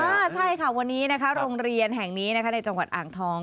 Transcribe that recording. หรือถ้าใช่ค่ะวันนี้โรงเรียนแห่งนี้นะคะในจังหวัดอ่างทอง